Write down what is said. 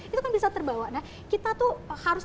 itu kan bisa terbawa nah kita tuh harus